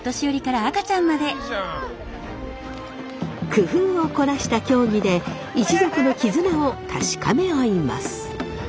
工夫を凝らした競技で一族の絆を確かめ合います。